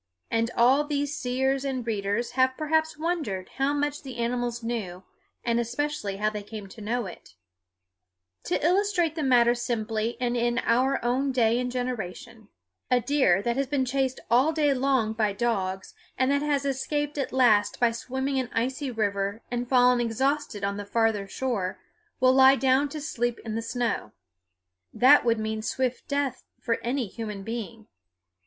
And all these seers and readers have perhaps wondered how much the animals knew, and especially how they came to know it. [Illustration: "Escaped at last by swimming an icy river"] To illustrate the matter simply and in our own day and generation: A deer that has been chased all day long by dogs, and that has escaped at last by swimming an icy river and fallen exhausted on the farther shore, will lie down to sleep in the snow. That would mean swift death for any human being.